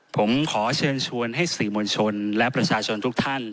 ผมขอเชิญชวนให้สื่อมวลชนและประชาชนทุกท่าน